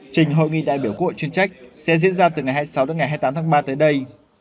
trình hội nghị đại biểu quốc hội chuyên trách sẽ diễn ra từ ngày hai mươi sáu đến ngày hai mươi tám tháng ba tới đây